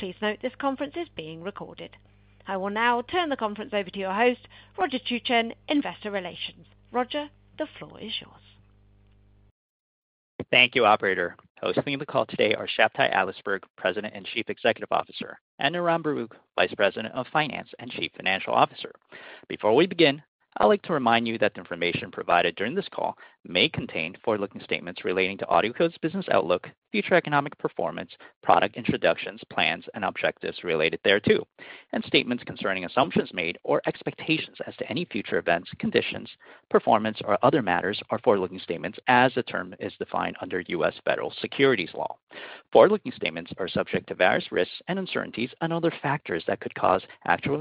Please note this conference is being recorded. I will now turn the conference over to your host, Roger Chuchen, Investor Relations. Roger, the floor is yours. Thank you, Operator. Hosting the call today are Shabtai Adlersberg, President and Chief Executive Officer, and Niran Baruch, Vice President of Finance and Chief Financial Officer. Before we begin, I'd like to remind you that the information provided during this call may contain forward-looking statements relating to AudioCodes' business outlook, future economic performance, product introductions, plans, and objectives related thereto, and statements concerning assumptions made or expectations as to any future events, conditions, performance, or other matters are forward-looking statements as the term is defined under U.S. federal securities law. Forward-looking statements are subject to various risks and uncertainties and other factors that could cause actual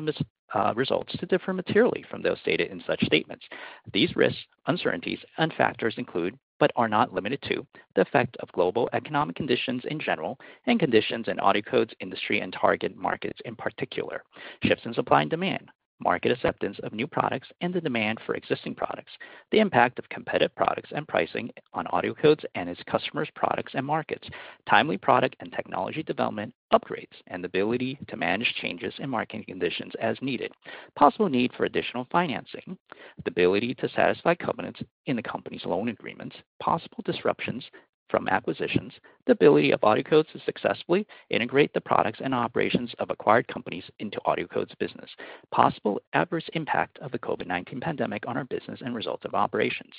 results to differ materially from those stated in such statements. These risks, uncertainties, and factors include, but are not limited to, the effect of global economic conditions in general and conditions in AudioCodes' industry and target markets in particular, shifts in supply and demand, market acceptance of new products and the demand for existing products, the impact of competitive products and pricing on AudioCodes and its customers' products and markets, timely product and technology development upgrades, and the ability to manage changes in marketing conditions as needed, possible need for additional financing, the ability to satisfy covenants in the company's loan agreements, possible disruptions from acquisitions, the ability of AudioCodes to successfully integrate the products and operations of acquired companies into AudioCodes' business, possible adverse impact of the COVID-19 pandemic on our business and results of operations,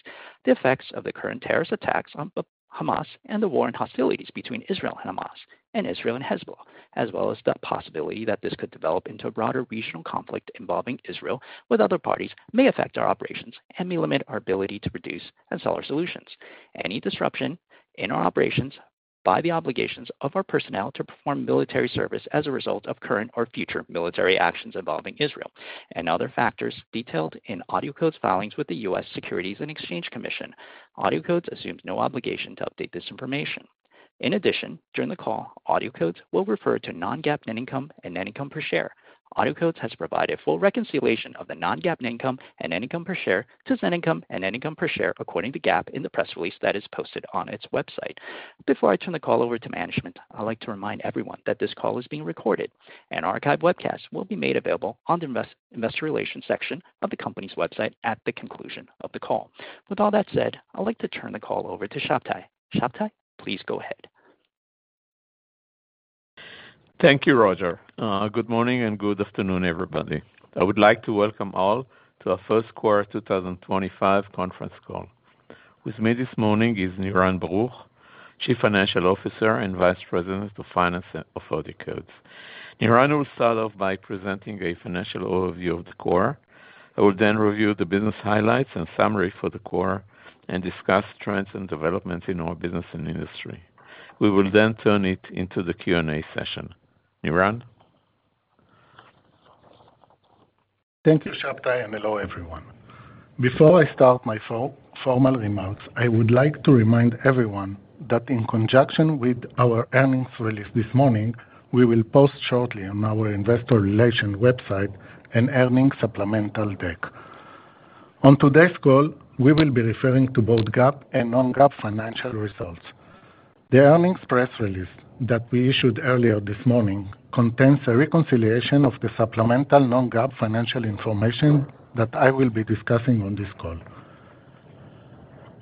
the effects of the current terrorist attacks on Hamas and the war and hostilities between Israel and Hamas and Israel and Hezbollah, as well as the possibility that this could develop into a broader regional conflict involving Israel with other parties may affect our operations and may limit our ability to produce and sell our solutions. Any disruption in our operations by the obligations of our personnel to perform military service as a result of current or future military actions involving Israel and other factors detailed in AudioCodes filings with the U.S. Securities and Exchange Commission. AudioCodes assumes no obligation to update this information. In addition, during the call, AudioCodes will refer to non-GAAP net income and net income per share. AudioCodes has provided full reconciliation of the non-GAAP net income and net income per share to net income and net income per share according to GAAP in the press release that is posted on its website. Before I turn the call over to management, I'd like to remind everyone that this call is being recorded and archived webcasts will be made available under Investor Relations section of the company's website at the conclusion of the call. With all that said, I'd like to turn the call over to Shabtai. Shabtai, please go ahead. Thank you, Roger. Good morning and good afternoon, everybody. I would like to welcome all to our first quarter 2025 conference call. With me this morning is Niran Baruch, Chief Financial Officer and Vice President of Finance at AudioCodes. Niran will start off by presenting a financial overview of the quarter. I will then review the business highlights and summary for the quarter and discuss trends and developments in our business and industry. We will then turn it into the Q&A session. Niran? Thank you, Shabtai, and hello, everyone. Before I start my formal remarks, I would like to remind everyone that in conjunction with our earnings release this morning, we will post shortly on our Investor Relations website an earnings supplemental deck. On today's call, we will be referring to both GAAP and non-GAAP financial results. The earnings press release that we issued earlier this morning contains a reconciliation of the supplemental non-GAAP financial information that I will be discussing on this call.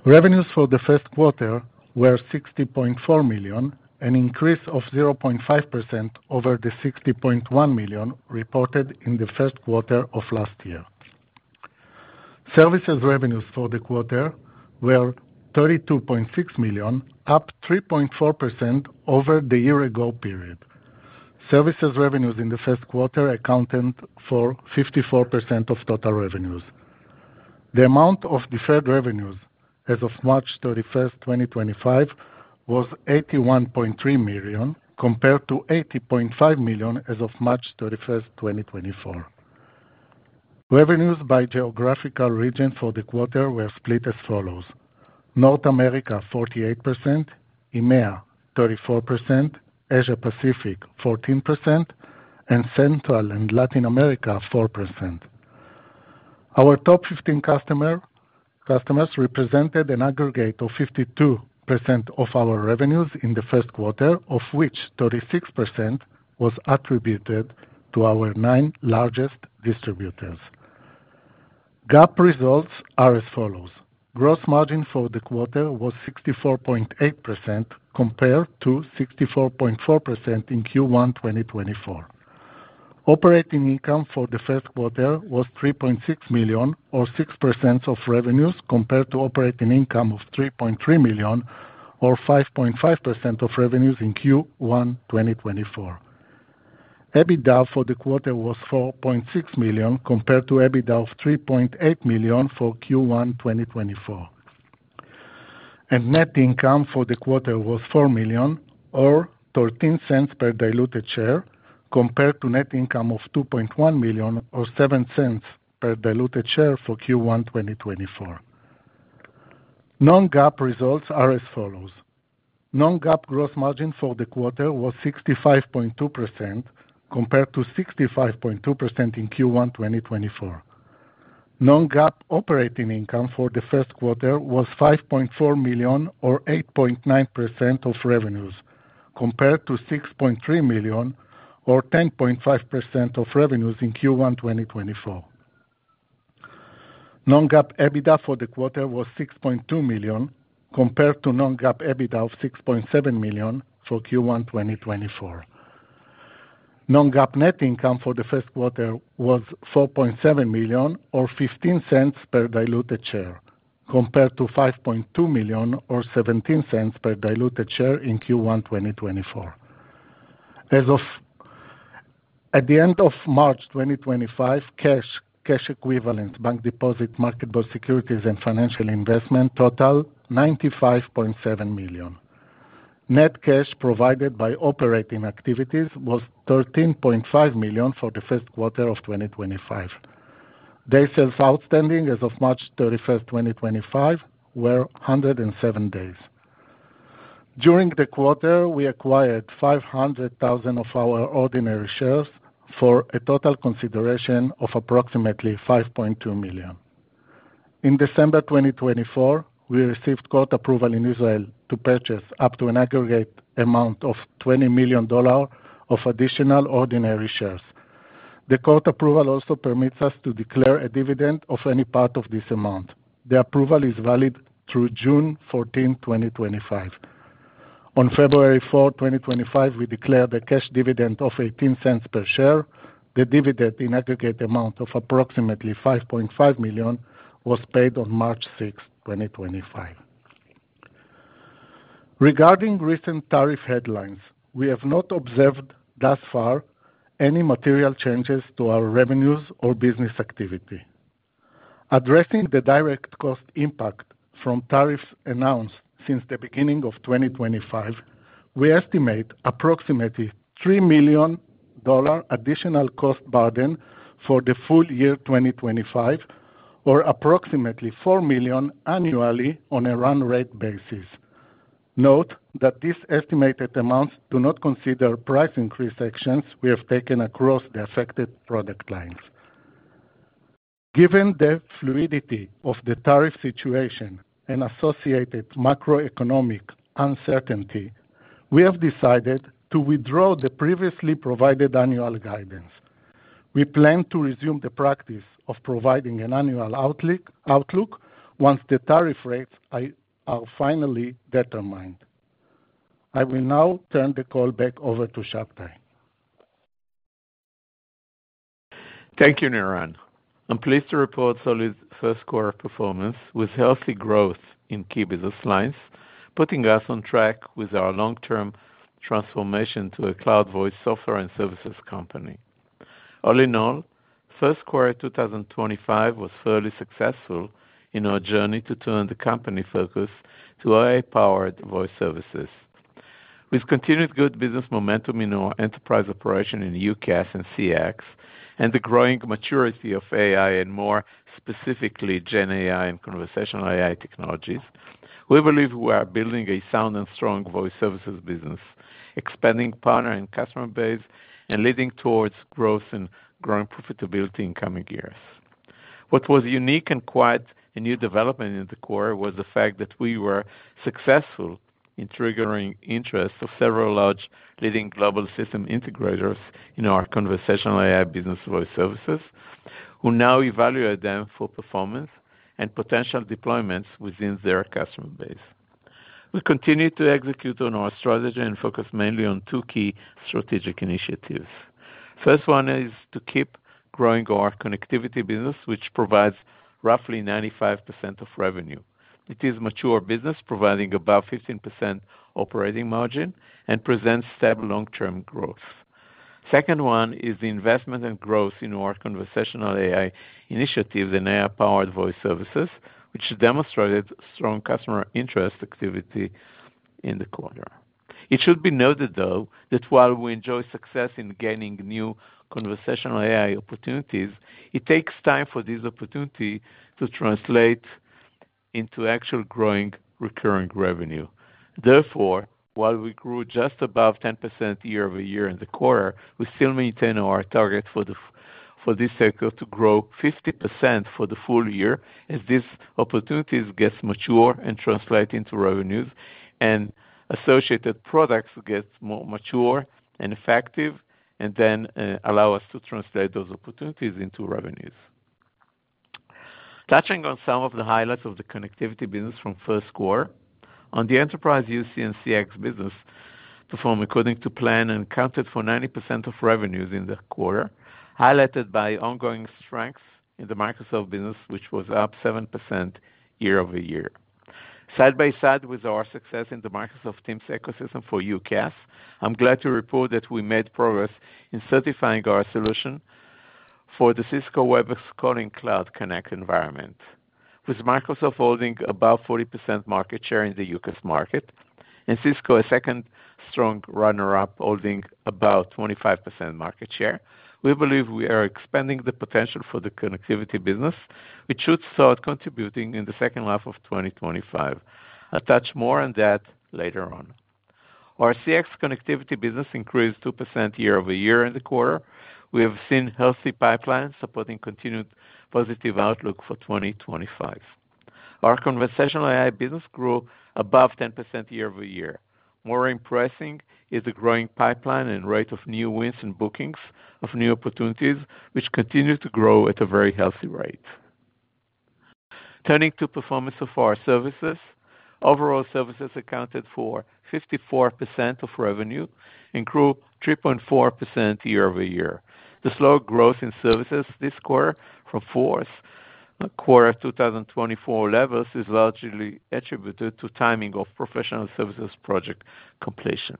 Revenues for the first quarter were $60.4 million, an increase of 0.5% over the $60.1 million reported in the first quarter of last year. Services revenues for the quarter were $32.6 million, up 3.4% over the year-ago period. Services revenues in the first quarter accounted for 54% of total revenues. The amount of deferred revenues as of March 31, 2025, was $81.3 million compared to $80.5 million as of March 31, 2024. Revenues by geographical region for the quarter were split as follows: North America 48%, EMEA 34%, Asia-Pacific 14%, and Central and Latin America 4%. Our top 15 customers represented an aggregate of 52% of our revenues in the first quarter, of which 36% was attributed to our nine largest distributors. GAAP results are as follows: Gross margin for the quarter was 64.8% compared to 64.4% in Q1 2024. Operating income for the first quarter was $3.6 million, or 6% of revenues, compared to operating income of $3.3 million, or 5.5% of revenues in Q1 2024. EBITDA for the quarter was $4.6 million compared to EBITDA of $3.8 million for Q1 2024. Net income for the quarter was $4 million, or $0.13 per diluted share, compared to net income of $2.1 million, or $0.07 per diluted share for Q1 2024. Non-GAAP results are as follows: Non-GAAP gross margin for the quarter was 65.2% compared to 65.2% in Q1 2024. Non-GAAP operating income for the first quarter was $5.4 million, or 8.9% of revenues, compared to $6.3 million, or 10.5% of revenues in Q1 2024. Non-GAAP EBITDA for the quarter was $6.2 million compared to Non-GAAP EBITDA of $6.7 million for Q1 2024. Non-GAAP net income for the first quarter was $4.7 million, or $0.15 per diluted share, compared to $5.2 million, or $0.17 per diluted share in Q1 2024. As of at the end of March 2025, cash equivalent bank deposit, marketable securities, and financial investment totaled $95.7 million. Net cash provided by operating activities was $13.5 million for the first quarter of 2025. Days sales outstanding as of March 31, 2025, were 107 days. During the quarter, we acquired 500,000 of our ordinary shares for a total consideration of approximately $5.2 million. In December 2024, we received court approval in Israel to purchase up to an aggregate amount of $20 million of additional ordinary shares. The court approval also permits us to declare a dividend of any part of this amount. The approval is valid through June 14, 2025. On February 4, 2025, we declared a cash dividend of $0.18 per share. The dividend in aggregate amount of approximately $5.5 million was paid on March 6, 2025. Regarding recent tariff headlines, we have not observed thus far any material changes to our revenues or business activity. Addressing the direct cost impact from tariffs announced since the beginning of 2025, we estimate approximately $3 million additional cost burden for the full year 2025, or approximately $4 million annually on a run rate basis. Note that these estimated amounts do not consider price increase actions we have taken across the affected product lines. Given the fluidity of the tariff situation and associated macroeconomic uncertainty, we have decided to withdraw the previously provided annual guidance. We plan to resume the practice of providing an annual outlook once the tariff rates are finally determined. I will now turn the call back over to Shabtai. Thank you, Niran. I'm pleased to report AudioCodes' first quarter performance with healthy growth in key business lines, putting us on track with our long-term transformation to a cloud-voice software and services company. All in all, first quarter 2025 was fairly successful in our journey to turn the company focus to AI-powered voice services. With continued good business momentum in our enterprise operation in UCaaS and CX, and the growing maturity of AI and more specifically Gen AI and conversational AI technologies, we believe we are building a sound and strong voice services business, expanding partner and customer base, and leading towards growth and growing profitability in coming years. What was unique and quite a new development in the quarter was the fact that we were successful in triggering interest of several large leading global system integrators in our conversational AI business voice services, who now evaluate them for performance and potential deployments within their customer base. We continue to execute on our strategy and focus mainly on two key strategic initiatives. First one is to keep growing our connectivity business, which provides roughly 95% of revenue. It is a mature business providing about 15% operating margin and presents stable long-term growth. Second one is the investment and growth in our conversational AI initiative and AI-powered voice services, which demonstrated strong customer interest activity in the quarter. It should be noted, though, that while we enjoy success in gaining new conversational AI opportunities, it takes time for these opportunities to translate into actual growing recurring revenue. Therefore, while we grew just above 10% year over year in the quarter, we still maintain our target for this cycle to grow 50% for the full year as these opportunities get mature and translate into revenues, and associated products get more mature and effective, and then allow us to translate those opportunities into revenues. Touching on some of the highlights of the connectivity business from first quarter, on the enterprise UC and CX business, performed according to plan and accounted for 90% of revenues in the quarter, highlighted by ongoing strengths in the Microsoft business, which was up 7% year over year. Side by side with our success in the Microsoft Teams ecosystem for UCaaS, I'm glad to report that we made progress in certifying our solution for the Cisco Webex Calling Cloud Connect environment. With Microsoft holding about 40% market share in the UCaaS market and Cisco a second strong runner-up holding about 25% market share, we believe we are expanding the potential for the connectivity business, which should start contributing in the second half of 2025. I'll touch more on that later on. Our CX connectivity business increased 2% year over year in the quarter. We have seen healthy pipelines supporting continued positive outlook for 2025. Our conversational AI business grew above 10% year over year. More impressing is the growing pipeline and rate of new wins and bookings of new opportunities, which continue to grow at a very healthy rate. Turning to performance of our services, overall services accounted for 54% of revenue and grew 3.4% year over year. The slow growth in services this quarter from fourth quarter 2024 levels is largely attributed to timing of professional services project completion.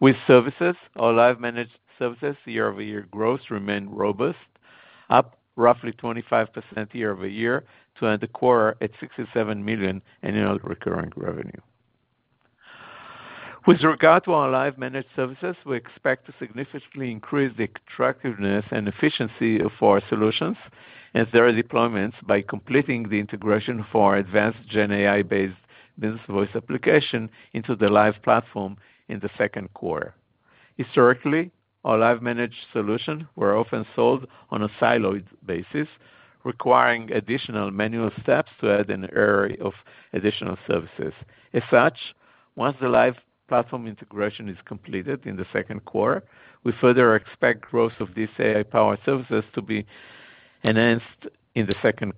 With services, our Live managed services year over year growth remained robust, up roughly 25% year over year to end the quarter at $67 million annual recurring revenue. With regard to our Live managed services, we expect to significantly increase the attractiveness and efficiency of our solutions and their deployments by completing the integration for our advanced Gen AI-based business voice application into the Live platform in the second quarter. Historically, our Live managed solutions were often sold on a siloed basis, requiring additional manual steps to add an area of additional services. As such, once the Live platform integration is completed in the second quarter, we further expect growth of these AI-powered services to be enhanced in the second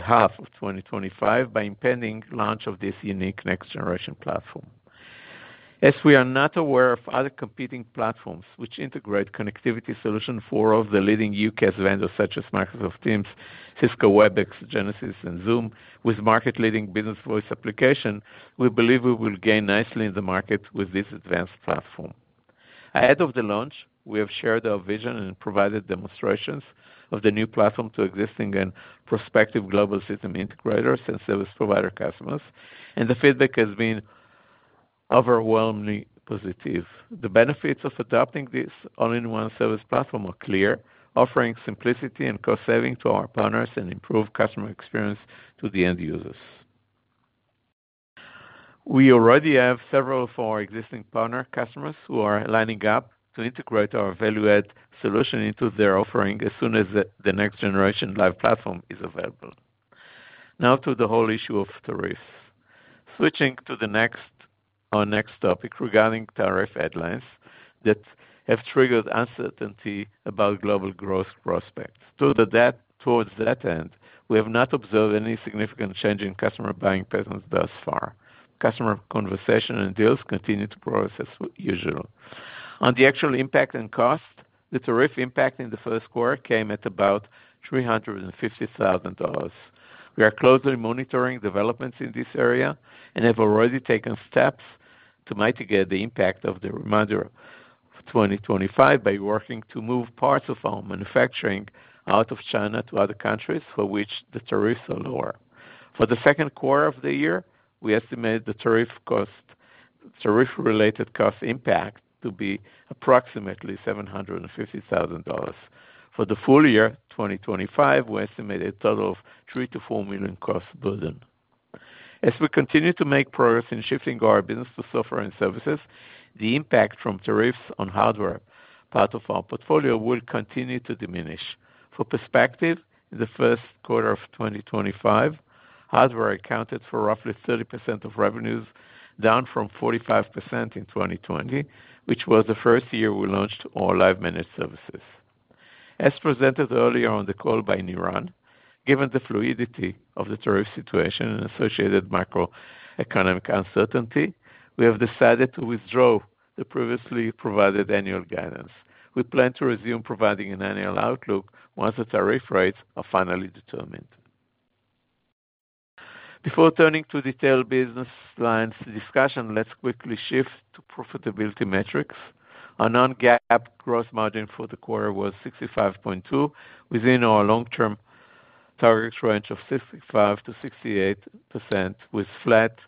half of 2025 by impending launch of this unique next-generation platform. As we are not aware of other competing platforms which integrate connectivity solutions for all of the leading UCaaS vendors such as Microsoft Teams, Cisco Webex, Genesys, and Zoom with market-leading business voice application, we believe we will gain nicely in the market with this advanced platform. Ahead of the launch, we have shared our vision and provided demonstrations of the new platform to existing and prospective global system integrators and service provider customers, and the feedback has been overwhelmingly positive. The benefits of adopting this all-in-one service platform are clear, offering simplicity and cost-saving to our partners and improved customer experience to the end users. We already have several of our existing partner customers who are lining up to integrate our value-add solution into their offering as soon as the next-generation live platform is available. Now to the whole issue of tariffs. Switching to our next topic regarding tariff headlines that have triggered uncertainty about global growth prospects. Towards that end, we have not observed any significant change in customer buying patterns thus far. Customer conversation and deals continue to grow as usual. On the actual impact and cost, the tariff impact in the first quarter came at about $350,000. We are closely monitoring developments in this area and have already taken steps to mitigate the impact of the remainder of 2025 by working to move parts of our manufacturing out of China to other countries for which the tariffs are lower. For the second quarter of the year, we estimate the tariff-related cost impact to be approximately $750,000. For the full year 2025, we estimate a total of $3 million-$4 million cost burden. As we continue to make progress in shifting our business to software and services, the impact from tariffs on hardware part of our portfolio will continue to diminish. For perspective, in the first quarter of 2025, hardware accounted for roughly 30% of revenues, down from 45% in 2020, which was the first year we launched our live managed services. As presented earlier on the call by Niran, given the fluidity of the tariff situation and associated macroeconomic uncertainty, we have decided to withdraw the previously provided annual guidance. We plan to resume providing an annual outlook once the tariff rates are finally determined. Before turning to detailed business lines discussion, let's quickly shift to profitability metrics. Our non-GAAP gross margin for the quarter was 65.2%, within our long-term target range of 65%-68%, with flat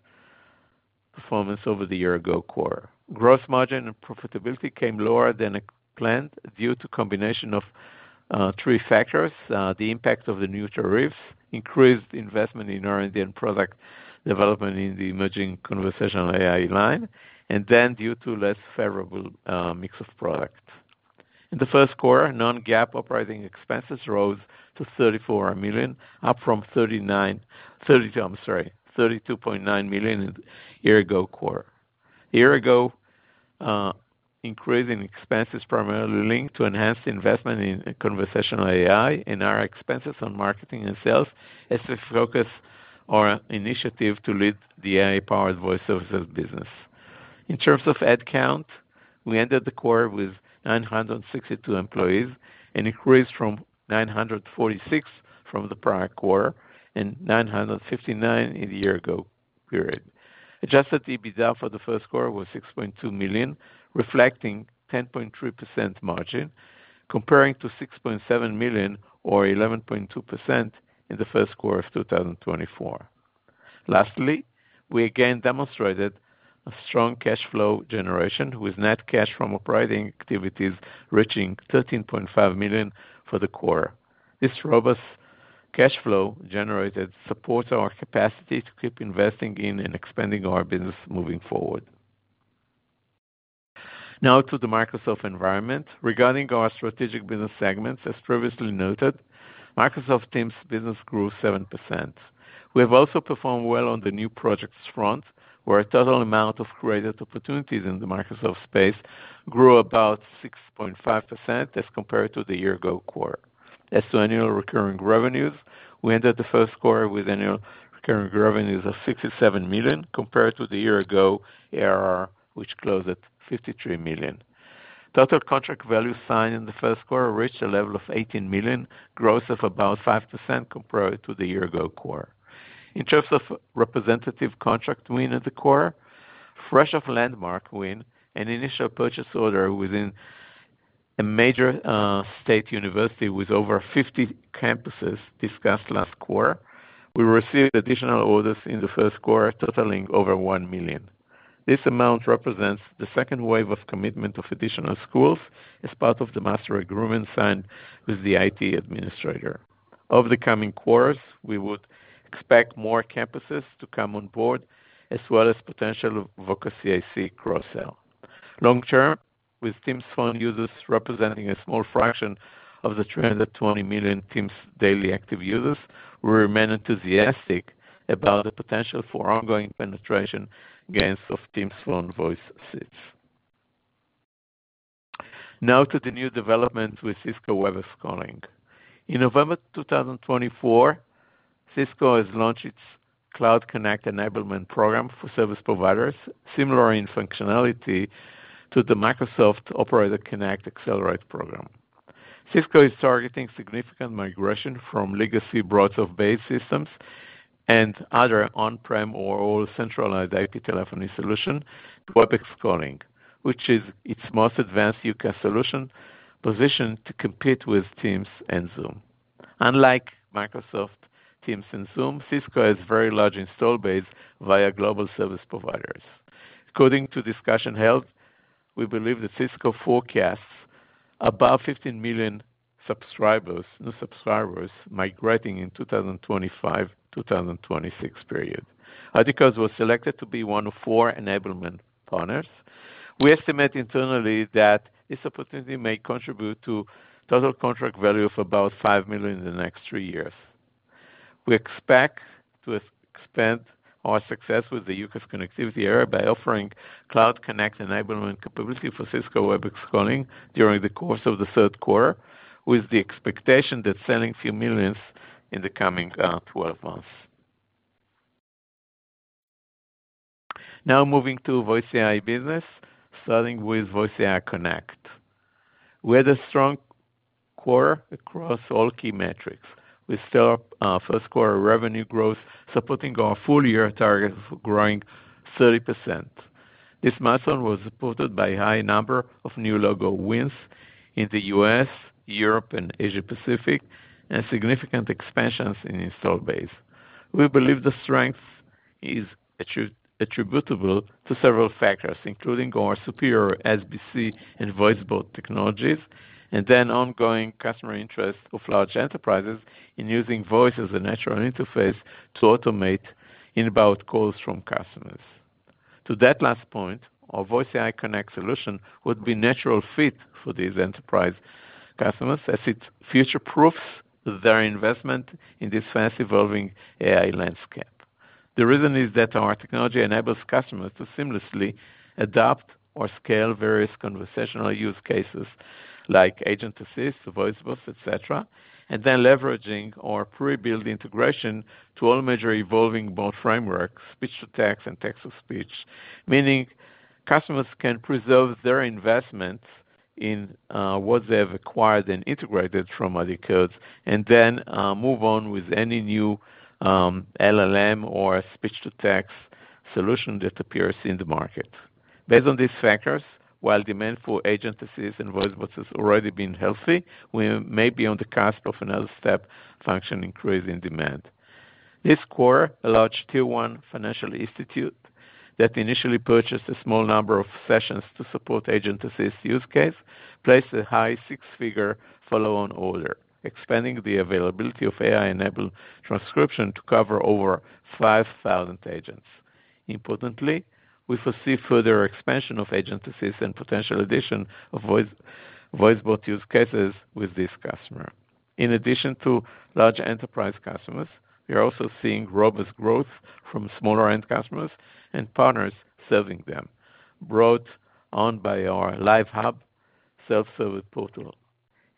performance over the year-ago quarter. Gross margin and profitability came lower than planned due to a combination of three factors: the impact of the new tariffs, increased investment in our Indian product development in the emerging conversational AI line, and then due to less favorable mix of products. In the first quarter, non-GAAP operating expenses rose to $34 million, up from $32.9 million in the year-ago quarter. Year-ago increase in expenses primarily linked to enhanced investment in conversational AI and our expenses on marketing and sales as we focus our initiative to lead the AI-powered voice services business. In terms of headcount, we ended the quarter with 962 employees, an increase from 946 from the prior quarter and 959 in the year-ago period. Adjusted EBITDA for the first quarter was $6.2 million, reflecting 10.3% margin, comparing to $6.7 million or 11.2% in the first quarter of 2024. Lastly, we again demonstrated a strong cash flow generation with net cash from operating activities reaching $13.5 million for the quarter. This robust cash flow generated supports our capacity to keep investing in and expanding our business moving forward. Now to the Microsoft environment. Regarding our strategic business segments, as previously noted, Microsoft Teams business grew 7%. We have also performed well on the new projects front, where a total amount of created opportunities in the Microsoft space grew about 6.5% as compared to the year-ago quarter. As to annual recurring revenues, we ended the first quarter with annual recurring revenues of $67 million compared to the year-ago ERR, which closed at $53 million. Total contract value signed in the first quarter reached a level of $18 million, growth of about 5% compared to the year-ago quarter. In terms of representative contract win in the quarter, fresh off landmark win, an initial purchase order within a major state university with over 50 campuses discussed last quarter, we received additional orders in the first quarter totaling over $1 million. This amount represents the second wave of commitment of additional schools as part of the master agreement signed with the IT administrator. Over the coming quarters, we would expect more campuses to come on board, as well as potential Voka CIC cross-sell. Long term, with Teams phone users representing a small fraction of the 320 million Teams daily active users, we remain enthusiastic about the potential for ongoing penetration gains of Teams phone voice seats. Now to the new developments with Cisco Webex Calling. In November 2024, Cisco has launched its Cloud Connect enablement program for service providers, similar in functionality to the Microsoft Operator Connect Accelerate program. Cisco is targeting significant migration from legacy broad-of-base systems and other on-prem or all-centralized IP telephony solutions to Webex Calling, which is its most advanced UCaaS solution positioned to compete with Teams and Zoom. Unlike Microsoft Teams and Zoom, Cisco has a very large install base via global service providers. According to discussion held, we believe that Cisco forecasts about 15 million new subscribers migrating in the 2025-2026 period. AudioCodes was selected to be one of four enablement partners. We estimate internally that this opportunity may contribute to a total contract value of about $5 million in the next three years. We expect to expand our success with the UCaaS connectivity area by offering Cloud Connect enablement capability for Cisco Webex Calling during the course of the third quarter, with the expectation that selling a few millions in the coming 12 months. Now moving to voice AI business, starting with Voice AI Connect. We had a strong quarter across all key metrics, with first quarter revenue growth supporting our full year target for growing 30%. This milestone was supported by a high number of new logo wins in the US, Europe, and Asia-Pacific, and significant expansions in install base. We believe the strength is attributable to several factors, including our superior SBC and voice board technologies, and then ongoing customer interest of large enterprises in using voice as a natural interface to automate inbound calls from customers. To that last point, our Voice AI Connect solution would be a natural fit for these enterprise customers as it future-proofs their investment in this fast-evolving AI landscape. The reason is that our technology enables customers to seamlessly adopt or scale various conversational use cases like agent assists, voice booths, etc., and then leveraging our pre-built integration to all major evolving board frameworks, speech-to-text and text-to-speech, meaning customers can preserve their investment in what they have acquired and integrated from AudioCodes and then move on with any new LLM or speech-to-text solution that appears in the market. Based on these factors, while demand for agent assists and voice booths has already been healthy, we may be on the cusp of another step function increasing demand. This quarter, a large Tier 1 financial institute that initially purchased a small number of sessions to support agent assist use case, placed a high six-figure follow-on order, expanding the availability of AI-enabled transcription to cover over 5,000 agents. Importantly, we foresee further expansion of agent assist and potential addition of voice booth use cases with this customer. In addition to large enterprise customers, we are also seeing robust growth from smaller-end customers and partners serving them, brought on by our Live Hub self-service portal.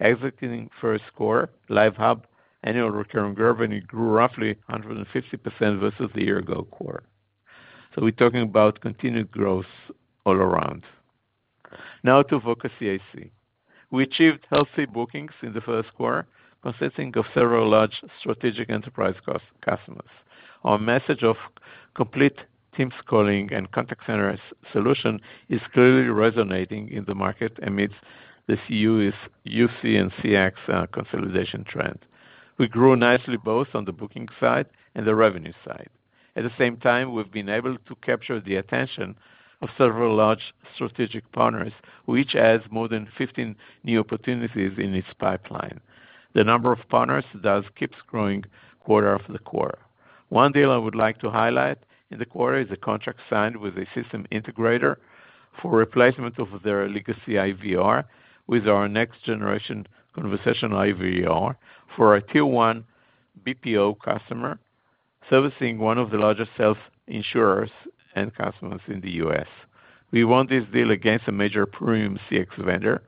Exiting first quarter, Live Hub annual recurring revenue grew roughly 150% versus the year-ago quarter. We are talking about continued growth all around. Now to Voka CIC. We achieved healthy bookings in the first quarter, consisting of several large strategic enterprise customers. Our message of complete Teams calling and contact center solution is clearly resonating in the market amidst the UCaaS and CX consolidation trend. We grew nicely both on the booking side and the revenue side. At the same time, we have been able to capture the attention of several large strategic partners, which adds more than 15 new opportunities in its pipeline. The number of partners thus keeps growing quarter after quarter. One deal I would like to highlight in the quarter is a contract signed with a system integrator for replacement of their legacy IVR with our next-generation conversational IVR for a Tier 1 BPO customer servicing one of the largest health insurers and customers in the US. We won this deal against a major premium CX vendor,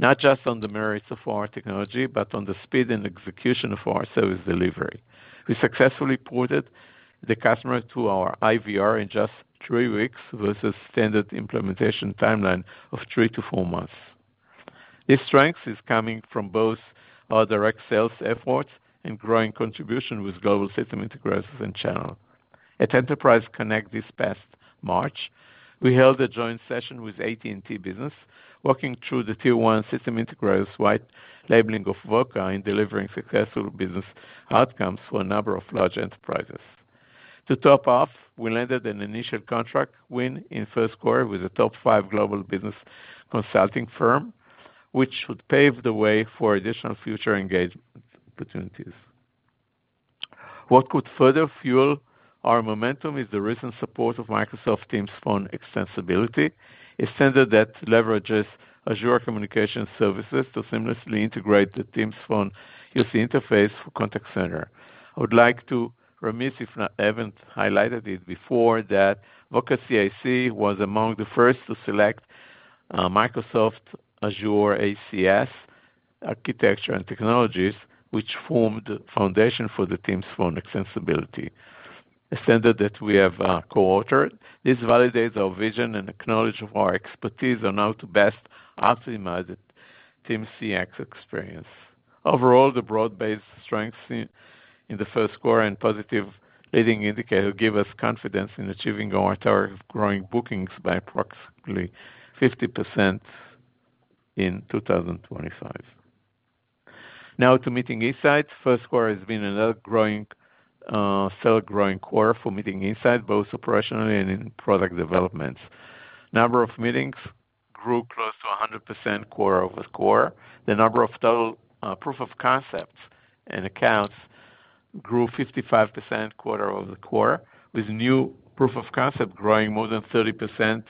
not just on the merits of our technology, but on the speed and execution of our service delivery. We successfully ported the customer to our IVR in just three weeks versus standard implementation timeline of three to four months. This strength is coming from both our direct sales efforts and growing contribution with global system integrators and channels. At Enterprise Connect this past March, we held a joint session with AT&T Business, walking through the Tier 1 system integrators' white labeling of Voka in delivering successful business outcomes for a number of large enterprises. To top off, we landed an initial contract win in first quarter with a top five global business consulting firm, which would pave the way for additional future engagement opportunities. What could further fuel our momentum is the recent support of Microsoft Teams phone extensibility, a standard that leverages Azure communication services to seamlessly integrate the Teams phone UC interface for contact center. I would like to remit, if I haven't highlighted it before, that Voka CIC was among the first to select Microsoft Azure ACS architecture and technologies, which formed the foundation for the Teams phone extensibility, a standard that we have co-authored. This validates our vision and acknowledges our expertise on how to best optimize the Teams CX experience. Overall, the broad-based strengths in the first quarter and positive leading indicators give us confidence in achieving our target of growing bookings by approximately 50% in 2025. Now to Meeting Insights. First quarter has been another sale-growing quarter for Meeting Insights, both operationally and in product developments. Number of meetings grew close to 100% quarter over quarter. The number of total proof of concepts and accounts grew 55% quarter over quarter, with new proof of concept growing more than 30%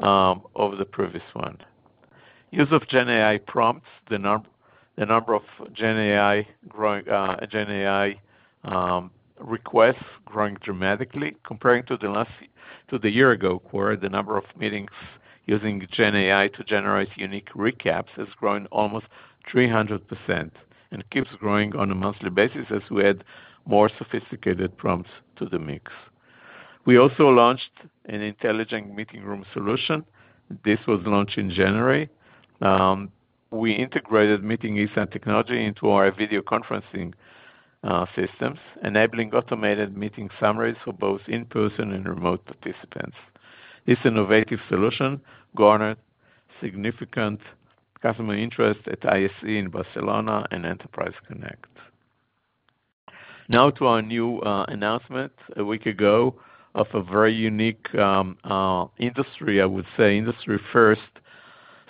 over the previous one. Use of Gen AI prompts, the number of Gen AI requests growing dramatically. Comparing to the year-ago quarter, the number of meetings using Gen AI to generate unique recaps is growing almost 300% and keeps growing on a monthly basis as we add more sophisticated prompts to the mix. We also launched an intelligent meeting room solution. This was launched in January. We integrated meeting design technology into our video conferencing systems, enabling automated meeting summaries for both in-person and remote participants. This innovative solution garnered significant customer interest at ISE in Barcelona and Enterprise Connect. Now to our new announcement a week ago of a very unique industry, I would say industry-first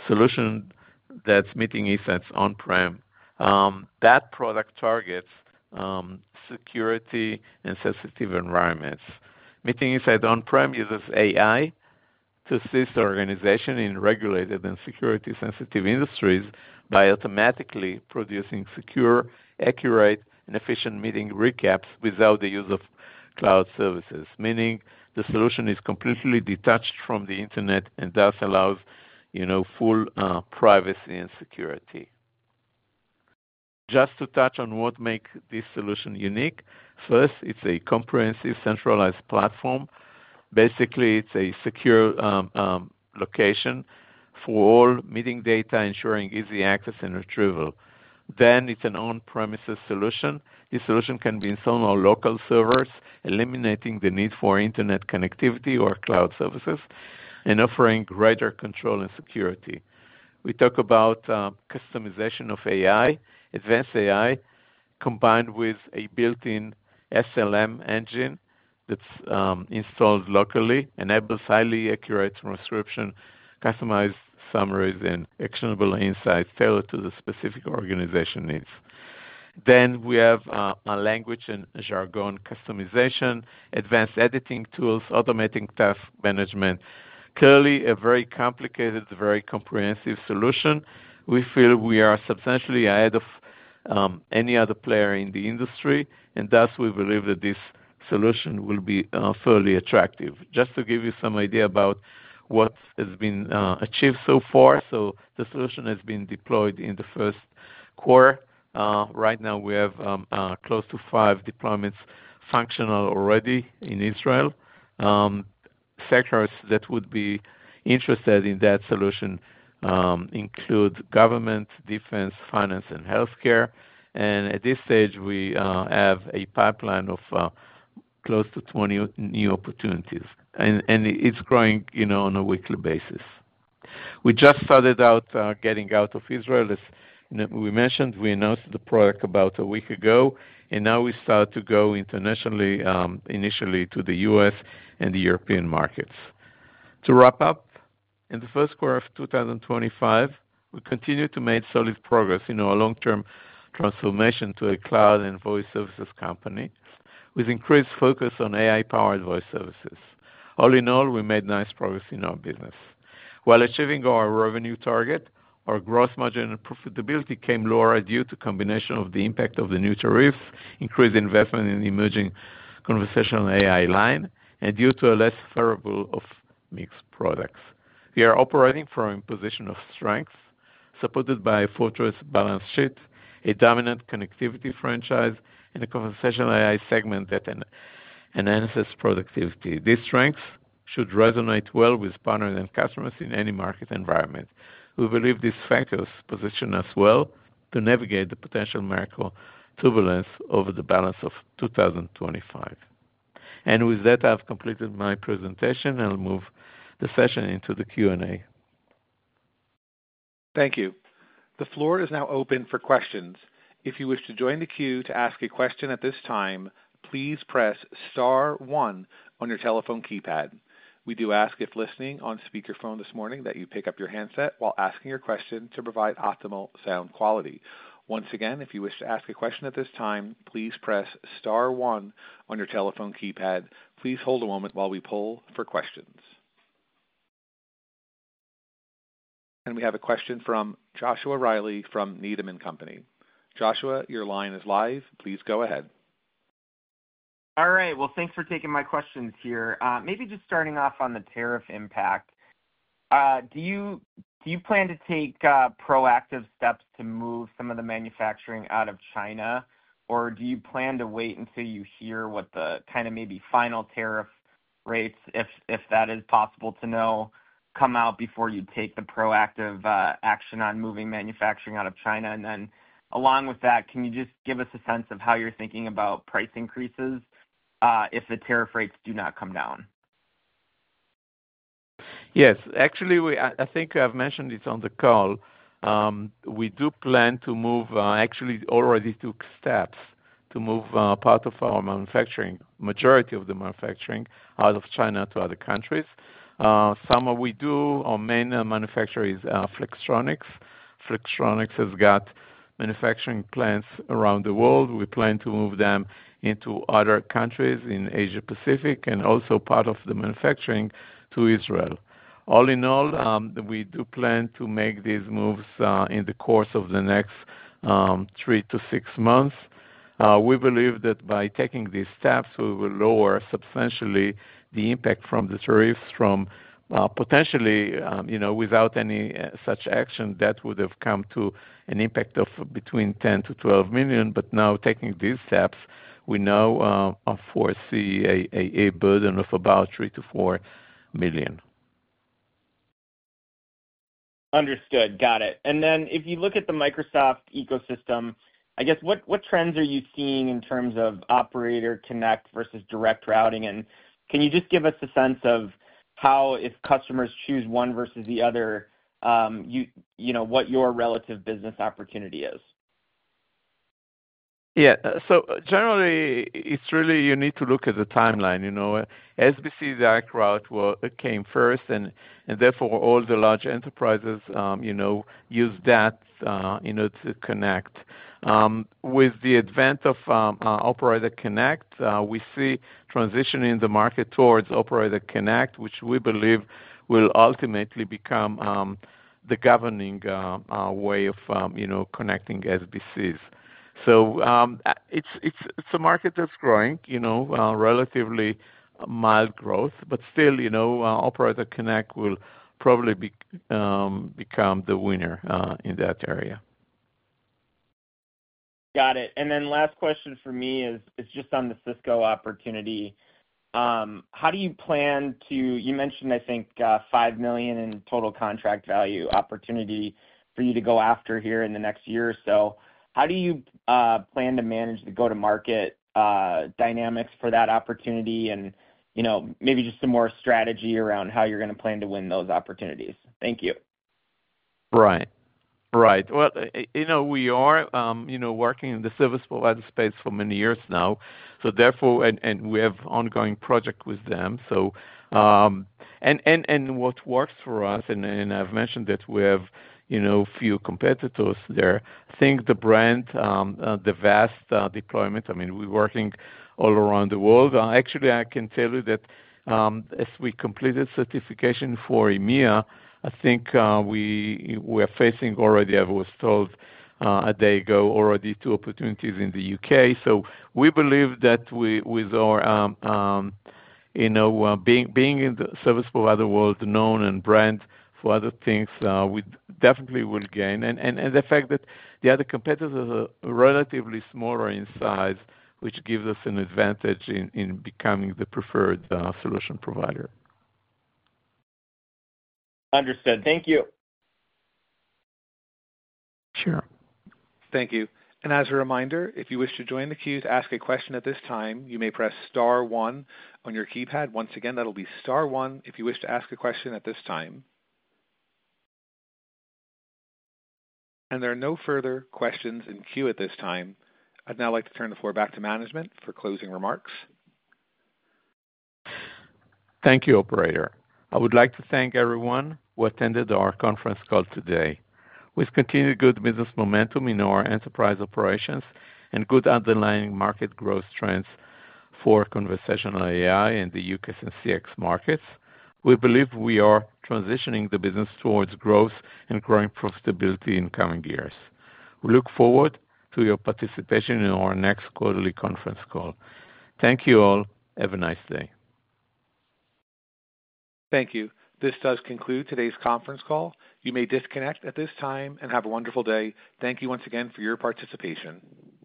solution that's Meeting Insights On-Prem. That product targets security and sensitive environments. Meeting Insights On-Prem uses AI to assist organizations in regulated and security-sensitive industries by automatically producing secure, accurate, and efficient meeting recaps without the use of cloud services, meaning the solution is completely detached from the internet and thus allows full privacy and security. Just to touch on what makes this solution unique, first, it's a comprehensive centralized platform. Basically, it's a secure location for all meeting data, ensuring easy access and retrieval. It is an on-premises solution. This solution can be installed on local servers, eliminating the need for internet connectivity or cloud services and offering greater control and security. We talk about customization of AI, advanced AI combined with a built-in SLM engine that is installed locally, enables highly accurate transcription, customized summaries, and actionable insights tailored to the specific organization needs. We have language and jargon customization, advanced editing tools, automating task management. Clearly, a very complicated, very comprehensive solution. We feel we are substantially ahead of any other player in the industry, and thus we believe that this solution will be fairly attractive. Just to give you some idea about what has been achieved so far, the solution has been deployed in the first quarter. Right now, we have close to five deployments functional already in Israel. Sectors that would be interested in that solution include government, defense, finance, and healthcare. At this stage, we have a pipeline of close to 20 new opportunities, and it's growing on a weekly basis. We just started out getting out of Israel. As we mentioned, we announced the product about a week ago, and now we start to go internationally, initially to the US and the European markets. To wrap up, in the first quarter of 2025, we continue to make solid progress in our long-term transformation to a cloud and voice services company with increased focus on AI-powered voice services. All in all, we made nice progress in our business. While achieving our revenue target, our gross margin and profitability came lower due to a combination of the impact of the new tariffs, increased investment in emerging conversational AI line, and due to a less favorable mix of products. We are operating from a position of strengths supported by a fortress balance sheet, a dominant connectivity franchise, and a conversational AI segment that enhances productivity. These strengths should resonate well with partners and customers in any market environment. We believe these factors position us well to navigate the potential macro turbulence over the balance of 2025. With that, I've completed my presentation, and I'll move the session into the Q&A. Thank you. The floor is now open for questions. If you wish to join the queue to ask a question at this time, please press Star 1 on your telephone keypad. We do ask if listening on speakerphone this morning that you pick up your handset while asking your question to provide optimal sound quality. Once again, if you wish to ask a question at this time, please press Star 1 on your telephone keypad. Please hold a moment while we pull for questions. We have a question from Joshua Riley from Needham & Company. Joshua, your line is live. Please go ahead. All right. Thanks for taking my questions here. Maybe just starting off on the tariff impact. Do you plan to take proactive steps to move some of the manufacturing out of China, or do you plan to wait until you hear what the kind of maybe final tariff rates, if that is possible to know, come out before you take the proactive action on moving manufacturing out of China? Along with that, can you just give us a sense of how you're thinking about price increases if the tariff rates do not come down? Yes. Actually, I think I've mentioned this on the call. We do plan to move, actually already took steps to move part of our manufacturing, majority of the manufacturing out of China to other countries. Some we do. Our main manufacturer is Flextronics. Flextronics has got manufacturing plants around the world. We plan to move them into other countries in Asia-Pacific and also part of the manufacturing to Israel. All in all, we do plan to make these moves in the course of the next three to six months. We believe that by taking these steps, we will lower substantially the impact from the tariffs from potentially, without any such action, that would have come to an impact of between $10 million and $12 million. But now, taking these steps, we now foresee a burden of about $3 million-$4 million. Understood. Got it. And then if you look at the Microsoft ecosystem, I guess what trends are you seeing in terms of Operator Connect versus Direct Routing? And can you just give us a sense of how, if customers choose one versus the other, what your relative business opportunity is? Yeah. So generally, it's really, you need to look at the timeline. SBC Direct Route came first, and therefore all the large enterprises use that to connect. With the advent of Operator Connect, we see transitioning the market towards Operator Connect, which we believe will ultimately become the governing way of connecting SBCs. It is a market that is growing, relatively mild growth, but still Operator Connect will probably become the winner in that area. Got it. Last question for me is just on the Cisco opportunity. How do you plan to—you mentioned, I think, $5 million in total contract value opportunity for you to go after here in the next year or so. How do you plan to manage the go-to-market dynamics for that opportunity and maybe just some more strategy around how you are going to plan to win those opportunities? Thank you. Right. Right. We are working in the service provider space for many years now, and we have ongoing projects with them. What works for us, and I've mentioned that we have a few competitors there, I think the brand, the vast deployment, I mean, we're working all around the world. Actually, I can tell you that as we completed certification for EMEA, I think we are facing already, I was told a day ago, already two opportunities in the U.K. We believe that with our being in the service provider world, known and brand for other things, we definitely will gain. The fact that the other competitors are relatively smaller in size, which gives us an advantage in becoming the preferred solution provider. Understood. Thank you. Sure. Thank you. As a reminder, if you wish to join the queue to ask a question at this time, you may press Star 1 on your keypad. Once again, that'll be Star 1 if you wish to ask a question at this time. There are no further questions in queue at this time. I'd now like to turn the floor back to management for closing remarks. Thank you, Operator. I would like to thank everyone who attended our conference call today. With continued good business momentum in our enterprise operations and good underlying market growth trends for conversational AI in the U.K. and CX markets, we believe we are transitioning the business towards growth and growing profitability in coming years. We look forward to your participation in our next quarterly conference call. Thank you all. Have a nice day. Thank you. This does conclude today's conference call. You may disconnect at this time and have a wonderful day. Thank you once again for your participation.